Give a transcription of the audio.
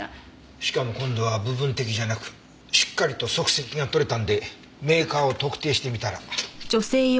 しかも今度は部分的じゃなくしっかりと足跡が採れたんでメーカーを特定してみたら。